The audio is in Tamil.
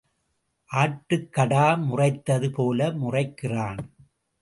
ஆட்டுக்கடா முறைத்தது போல முறைக்கிறான்.